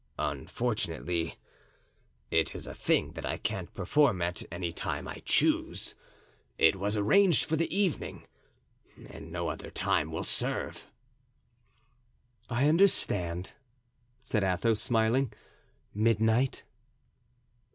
"Unfortunately, it is a thing that I can't perform at any time I choose. It was arranged for the evening and no other time will serve." "I understand," said Athos smiling, "midnight."